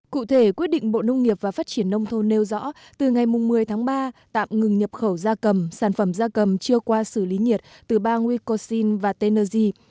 cụ thể quyết định bộ nông nghiệp và phát triển nông thôn nêu rõ từ ngày một mươi tháng ba tạm ngừng nhập khẩu gia cầm sản phẩm da cầm chưa qua xử lý nhiệt từ ba wicosin và tenersia